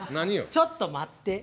ちょっと待って！